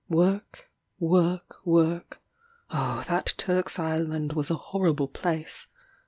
Work work work Oh that Turk's Island was a horrible place!